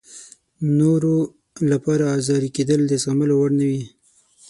نورو لپاره ازاري کېدل د زغملو وړ نه وي.